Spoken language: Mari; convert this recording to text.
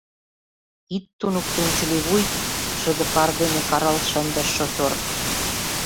— Ит туныкто, унчыливуй! — шыде пар дене карал шындыш шофёр.